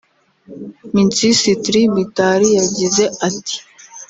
Minsisitri Mitali yagize ati